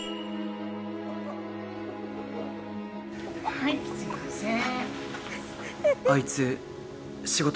はいすみません。